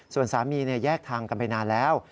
ส่วนสามีแยกทางกันไปนานแล้ว